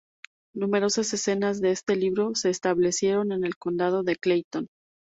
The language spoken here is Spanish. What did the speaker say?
Numerosas escenas de este libro se establecieron en el Condado de Clayton.